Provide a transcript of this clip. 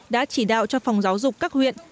đã chỉ đạo cho phòng giáo dục các huyện